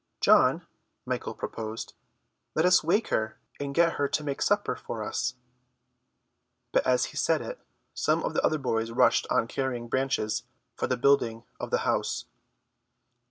"John," Michael proposed, "let us wake her and get her to make supper for us," but as he said it some of the other boys rushed on carrying branches for the building of the house.